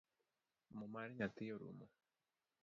Mo mar nyathi orumo